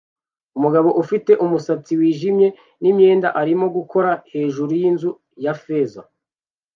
Umugabo ufite umusatsi wijimye n imyenda arimo gukora hejuru yinzu ya feza